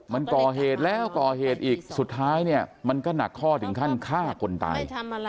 มันก่อเหตุแล้วก่อเหตุอีกสุดท้ายเนี่ยมันก็หนักข้อถึงขั้นฆ่าคนตาย